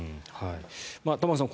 玉川さん